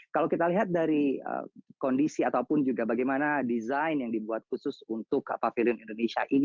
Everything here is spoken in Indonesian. kalau kita lihat dari kondisi ataupun juga bagaimana desain yang dibuat khusus untuk pavilion indonesia ini